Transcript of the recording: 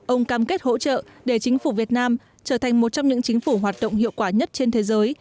ông cam kết hỗ trợ để chính phủ việt nam trở thành một trong những chính phủ hoạt động hiệu quả nhất trên thế giới